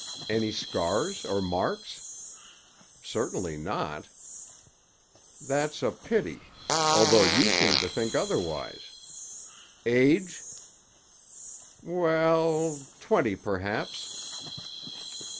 "Any scars or marks?" "Certainly not!" "That's a pity; although you seem to think otherwise. Age?" "We—ell, twenty, perhaps."